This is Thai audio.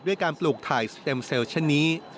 ด้วยการปลูกถ่ายเซลล์เซลล์เช่นนี้